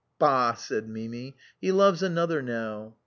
" Bah !" said Mimi, " he loves another now."